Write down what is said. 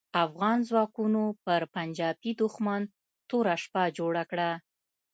افغان ځواکونو پر پنجاپي دوښمن توره شپه جوړه کړه.